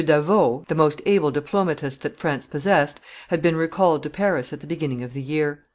d'Avaux, the most able diplomatist that France possessed, had been recalled to Paris at the beginning of the year.